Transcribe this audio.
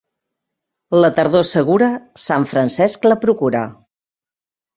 La tardor segura, Sant Francesc la procura.